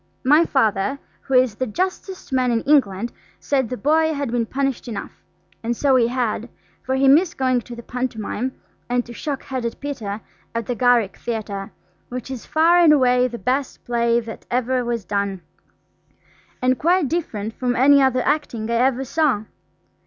My Father, who is the justest man in England, said the boy had been punished enough–and so he had, for he missed going to the pantomime, and to "Shock Headed Peter" at the Garrick Theatre, which is far and away the best play that ever was done, and quite different from any other acting I ever saw.